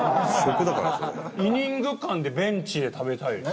イニング間でベンチで食べたいです。